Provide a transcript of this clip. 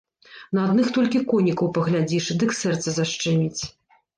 На адных толькі конікаў паглядзіш, дык сэрца зашчэміць.